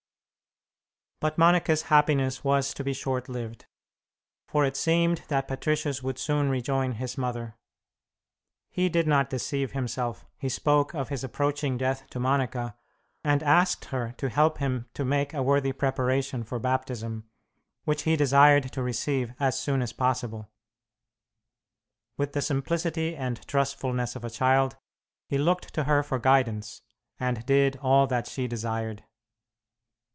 But Monica's happiness was to be short lived, for it seemed that Patricius would soon rejoin his mother. He did not deceive himself. He spoke of his approaching death to Monica, and asked her to help him to make a worthy preparation for Baptism, which he desired to receive as soon as possible. With the simplicity and trustfulness of a child, he looked to her for guidance, and did all that she desired.